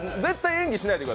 演技しないです。